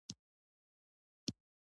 د اداري اصلاحاتو دارالانشا ددې برخه ده.